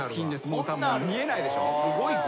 もうたぶん見えないでしょ。